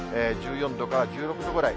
１４度から１６度くらい。